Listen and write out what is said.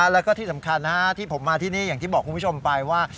แล้วก็ที่สำคัญที่ผมมาที่นี่อย่างที่บอกคุณผู้ชมไปว่า